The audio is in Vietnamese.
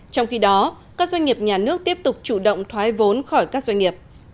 trong khi đó các doanh nghiệp nhà nước tiếp tục chủ động thoái vốn khỏi các doanh nghiệp